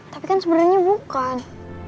tapi kan sebenernya bukan